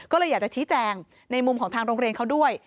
ก็เลยอยากจะชี้แจงในมุมของทางโรงเรียนเขาด้วย